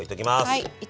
はい。